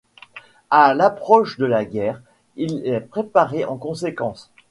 À l'approche de la guerre, il est préparé en conséquence.